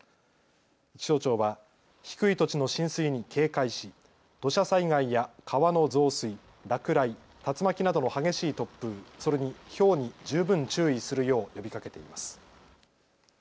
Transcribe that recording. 気象庁は低い土地の浸水に警戒し土砂災害や川の増水、落雷、竜巻などの激しい突風、それにひょうに十分注意するよう呼びかけています。